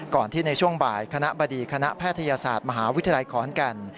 ที่ในช่วงบ่ายคณะบดีคณะแพทยศาสตร์มหาวิทยาลัยขอนแก่น